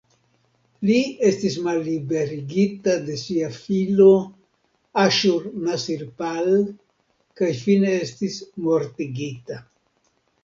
Li estis malliberigita de sia filo "Aŝur-nasir-pal" kaj fine estis mortigita.